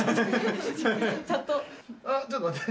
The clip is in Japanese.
ちょっと待って。